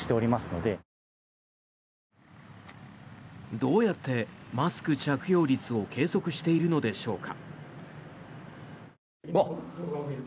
どうやってマスク着用率を計測しているのでしょうか。